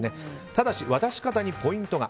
ただし、渡し方にポイントが。